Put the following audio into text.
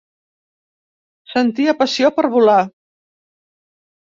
Sentia passió per volar.